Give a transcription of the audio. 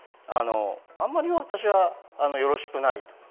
あんまり私はよろしくないと。